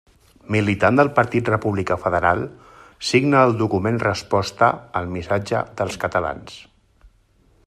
Militant del Partit Republicà Federal, signà el document Resposta al missatge dels catalans.